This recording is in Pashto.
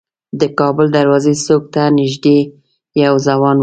د کابل دروازې څوک ته نیژدې یو ځوان و.